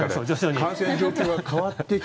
感染状況が変わってきて。